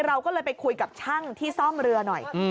เราก็เลยไปคุยกับช่างที่ซ่อมเรือหน่อย